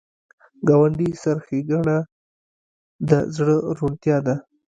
ګاونډي سره ښېګڼه د زړه روڼتیا ده